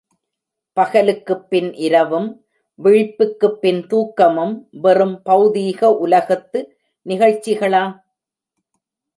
பகலுக்குப் பின் இரவும், விழிப்புக்குப் பின் தூக்கமும் வெறும் பெளதிக உலகத்து நிகழ்ச்சிகளா?